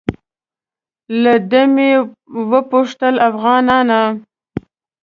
له ده مې وپوښتل افغانان.